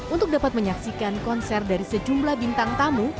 untuk dapat menyaksikan konser dari sejumlah bintang tamu